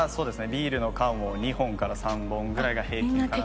ビールの缶を２本から３本ぐらいが平均かな。